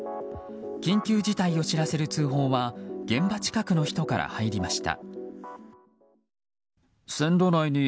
緊急事態を知らせる通報は現場近くの人から入りました。